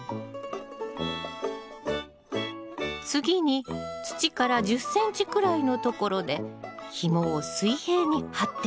次に土から１０ｃｍくらいのところでひもを水平に張っていくの。